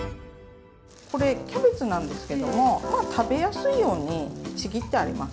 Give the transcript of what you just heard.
これキャベツなんですけども食べやすいようにちぎってあります。